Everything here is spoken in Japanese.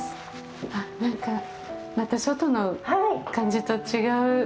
あっ、なんか、また外の感じと違う。